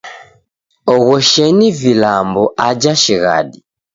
Oghoshenyi vilambo aja shighadi.